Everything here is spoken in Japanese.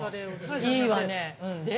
いいわね。